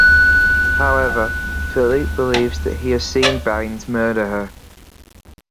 However, Philippe believes that he has seen Baines murder her.